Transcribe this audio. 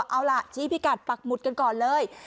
เอาล่ะชี้พิกัดปักหมุดกันก่อนเลย